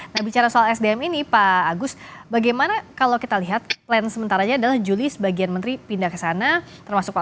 nah bicara soal sdm ini pak agus bagaimana kalau kita lihat plan sementaranya adalah juli sebagian menteri pindah ke sana termasuk pak